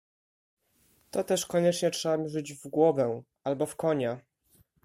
"To też koniecznie trzeba mierzyć w głowę, albo w konia."